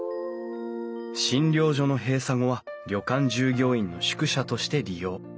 診療所の閉鎖後は旅館従業員の宿舎として利用。